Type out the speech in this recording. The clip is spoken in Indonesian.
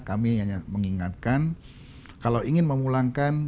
kami hanya mengingatkan kalau ingin memulangkan